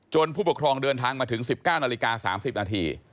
ผู้ปกครองเดินทางมาถึง๑๙นาฬิกา๓๐นาที